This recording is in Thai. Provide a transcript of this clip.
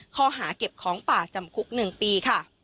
ข้อหาเก็บของป่าจำคุก๑ปีค่ะ